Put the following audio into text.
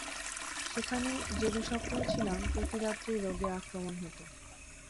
সেখানে যে দু-সপ্তাহ ছিলাম, প্রতি রাত্রেই রোগের আক্রমণ হত।